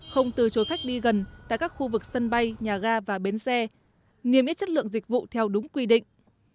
không từ chối khách đi gần tại các khu vực sân bay nhà ga và bến xe niêm yết chất lượng dịch vụ theo đúng quy định